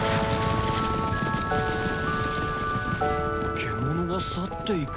獣が去っていく。